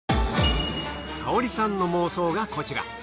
華織さんの妄想がこちら。